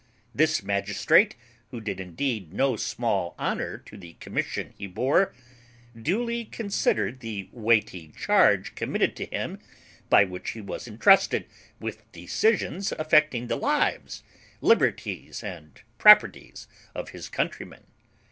This magistrate, who did indeed no small honour to the commission he bore, duly considered the weighty charge committed to him, by which he was entrusted with decisions affecting the lives, liberties, and properties of his countrymen.